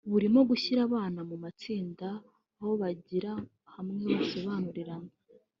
burimo gushyira abana mu matsinda aho bigira hamwe basobanurirana